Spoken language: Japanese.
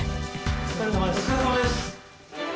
お疲れさまです。